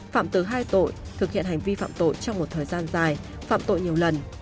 phạm từ hai tội thực hiện hành vi phạm tội trong một thời gian dài phạm tội nhiều lần